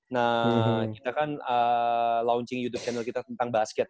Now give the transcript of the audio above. nah kita kan launching youtube channel kita tentang basket